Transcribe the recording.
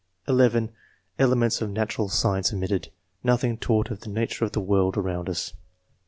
(11) "Elements of natural science omitted; nothing taught of the nature of the world around us."